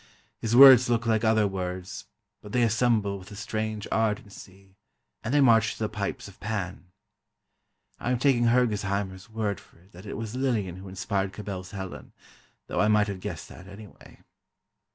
His words look like other words, but they assemble with a strange ardency, and they march to the pipes of Pan. I am taking Hergesheimer's word for it that it was Lillian who inspired Cabell's Helen, though I might have guessed that, anyway.